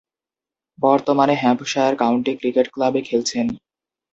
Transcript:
বর্তমানে Hampshire county cricket ক্লাবে খেলছেন।